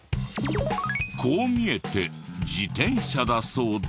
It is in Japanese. こう見えて自転車だそうで。